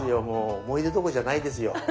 もう思い出どころじゃないですよ。